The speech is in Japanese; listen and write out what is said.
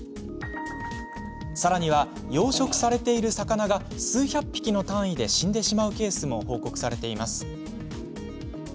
さらには、養殖されている魚が数百匹の単位で死んでしまうケースも報告されています。